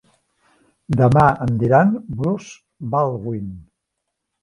Demà em diran Bruce Baldwin.